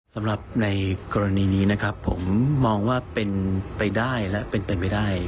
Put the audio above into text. สำหรับในกรณีนี้นะครับผมมองว่าเป็นไปได้และเป็นไปได้